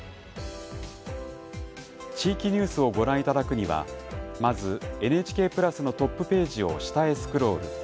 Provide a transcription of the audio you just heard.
地域ニュースをご覧いただくにはまず、ＮＨＫプラスのトップページを下へスクロール。